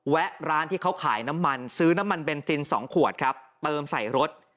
แวะร้านที่เขาขายน้ำมันซื้อน้ำมันเบนซิน๒ขวดครับเติมใส่รถ